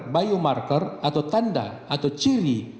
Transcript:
biomarker atau tanda atau ciri